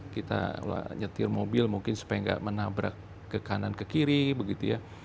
kita nyetir mobil mungkin supaya nggak menabrak ke kanan ke kiri begitu ya